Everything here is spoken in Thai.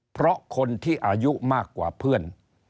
เพราะคนที่อายุมากกว่าเพื่อน